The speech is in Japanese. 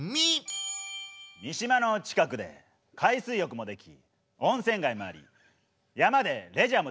三島の近くで海水浴もでき温泉街もあり山でレジャーもできる。